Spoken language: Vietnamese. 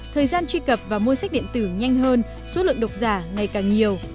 thời gian truy cập và mua sách điện tử nhanh hơn số lượng độc giả ngày càng nhiều